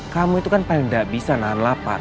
kamu itu kan paling tidak bisa nahan lapar